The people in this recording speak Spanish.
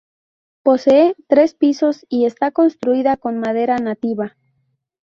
Posee tres pisos y está construida con madera nativa.